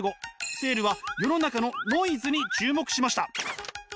セールは世の中のノイズに注目しました。